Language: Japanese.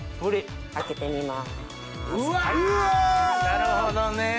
なるほどね。